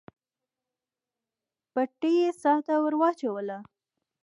بتۍ يې څا ته ور واچوله.